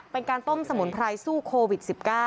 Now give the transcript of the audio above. เป็นการต้มสมุนไพรสู้โควิด๑๙